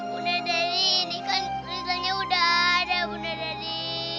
bunda dari ini kan kristalnya udah ada bunda dari